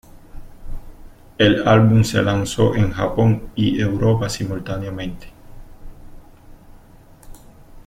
El álbum se lanzó en Japón y Europa simultáneamente.